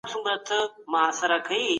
پولیسو به له تېرو ورځو راهیسې پېښه څېړلې وي.